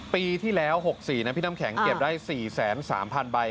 ปีที่แล้ว๖๔นะพี่น้ำแข็งเก็บได้๔๓๐๐ใบ